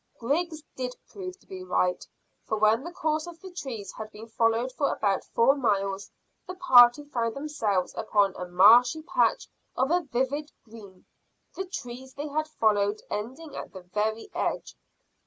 Griggs did prove to be right, for when the course of the trees had been followed for about four miles, the party found themselves upon a marshy patch of a vivid green, the trees they had followed ending at the very edge.